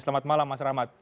selamat malam mas rahmat